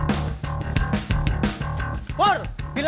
oh ya nggak percaya